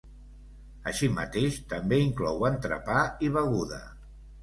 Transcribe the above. Així mateix, també inclou entrepà i beguda.